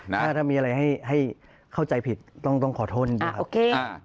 ถ้ามีอะไรให้เข้าใจผิดต้องต้องขอโทษเลยครับ